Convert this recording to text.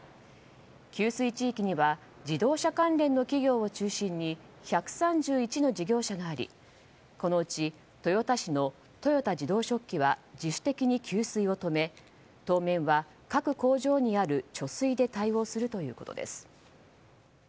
給水地域には自動車関連の企業を中心に１３１の事業者がありこのうち豊田市の豊田自動織機は自主的に給水を止め当面は各工場にある貯水で対応するということです。